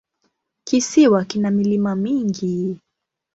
Kisiwa kina milima mingi.